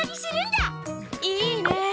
いいねえ！